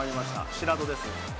白土です。